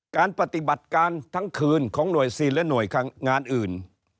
การปฏิบัติการทั้งคืนของหน่วยซีนและหน่วยงานอื่น